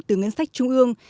từ ngân sách trung ương